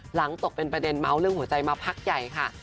ตกเป็นประเด็นเมาส์เรื่องหัวใจมาพักใหญ่ค่ะ